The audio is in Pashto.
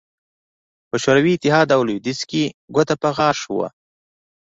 په شوروي اتحاد او لوېدیځ کې ګوته په غاښ وو